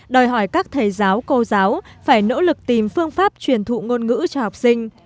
đòi hỏi các thầy giáo cô giáo phải nỗ lực tìm phương pháp truyền thụ ngôn ngữ cho học sinh